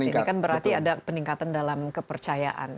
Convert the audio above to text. ini kan berarti ada peningkatan dalam kepercayaan